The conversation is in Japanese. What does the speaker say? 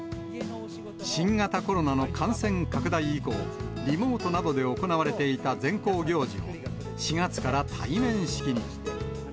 新型コロナの感染拡大以降、リモートなどで行われていた全校行事を、４月から対面式に。